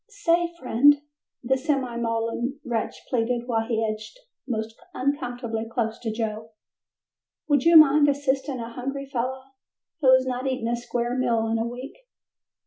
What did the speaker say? "Say, friend," the semi maudlin wretch pleaded while he edged most uncomfortably close to Joe, "would you mind assisting a hungry fellow who has not eaten a square meal in a week?"